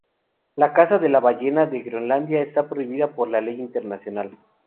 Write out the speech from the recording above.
La caza de la ballena de Groenlandia está prohibida por ley internacional.